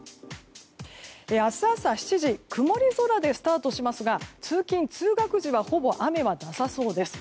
明日朝７時曇り空でスタートしますが通勤・通学時はほぼ雨はなさそうです。